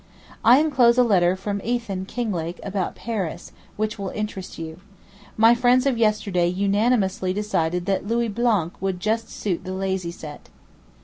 'I enclose a letter from Eothen [Kinglake] about Paris, which will interest you. My friends of yesterday unanimously decided that Louis Blanc would "just suit the 'lazy set.